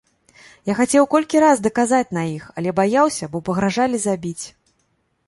Я хацеў колькі раз даказаць на іх, але баяўся, бо пагражалі забіць.